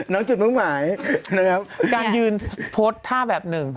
จุดมุ่งหมายนะครับการยืนโพสต์ท่าแบบหนึ่ง